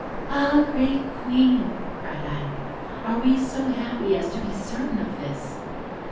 'Ah! great Queen,' cried I, 'are we so happy as to be certain of this?'